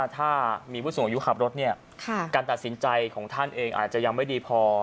ถ้ามีผู้สูงอายุขับรถการตัดสินใจของท่านเองอาจจะยังไม่ดีพอ